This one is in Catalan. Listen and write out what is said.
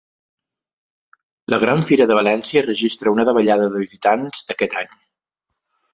La Gran Fira de València registra una davallada de visitants aquest any